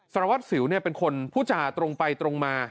สารวัตรสิวเป็นคนผู้จ่าตรงไปตรงมา